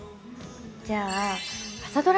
じゃあ「朝ドラ」